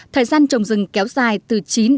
thời gian trồng rừng kéo dài từ chín đến một mươi năm